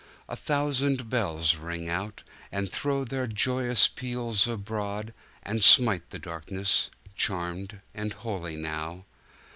A thousand bells ring out, and throwTheir joyous peals abroad, and smite The darkness — charmed and holy now!